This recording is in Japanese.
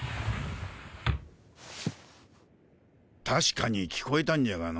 たしかに聞こえたんじゃがの。